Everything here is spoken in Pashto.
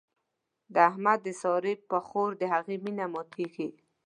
د احمد د سارا پر خور د هغې مينه ماتېږي.